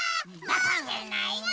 まけないぞ！